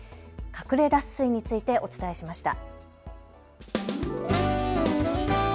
隠れ脱水についてお伝えしました。